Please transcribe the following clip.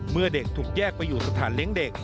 เมื่อเด็กถูกแยกไปอยู่สถานเลี้ยงเด็ก